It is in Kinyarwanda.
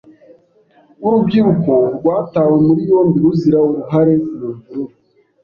Urubyiruko rwatawe muri yombi ruzira uruhare mu mvururu.